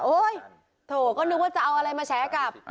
โถก็นึกว่าจะเอาอะไรมาแฉกับ